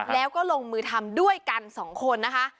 แล้วก็ลงมือทำด้วยกันสองคนนะคะ